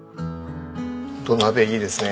土鍋いいですね。